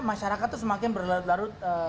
masyarakat itu semakin berlarut larut